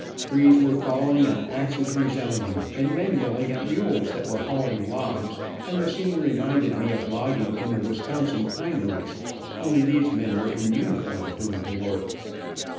Trees were falling, and axes resounding, and men yelling at mules that were hauling logs, and the scene reminded me of logging in the Wisconsin pineries, only these were men in uniform doing the work.